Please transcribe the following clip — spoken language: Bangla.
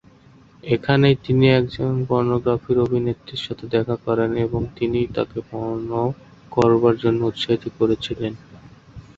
এখানেই তিনি একজন পর্নোগ্রাফিক অভিনেত্রীর সাথে দেখা করেন এবং তিনিই তাকে পর্ন করবার জন্য উৎসাহিত করেছিলেন।